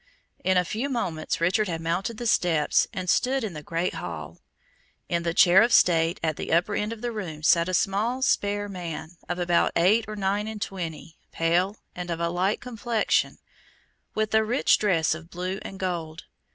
In a few moments Richard had mounted the steps and stood in the great hall. In the chair of state, at the upper end of the room, sat a small spare man, of about eight or nine and twenty, pale, and of a light complexion, with a rich dress of blue and gold.